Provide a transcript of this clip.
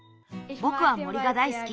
ぼくは森がだいすき。